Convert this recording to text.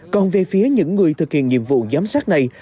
còn về phía những người thực hiện nhiệm vụ giám sát này